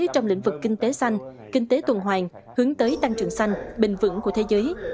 trong lĩnh vực kinh tế xanh kinh tế tuần hoàng hướng tới tăng trưởng xanh bình vững của thế giới